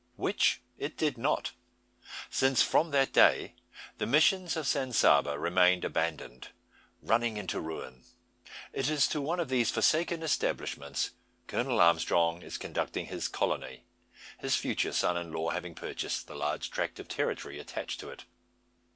Which it did not; since from that day the misiones of San Saba remained abandoned, running into ruin. It is to one of these forsaken establishments Colonel Armstrong is conducting his colony; his future son in law having purchased the large tract of territory attached to it.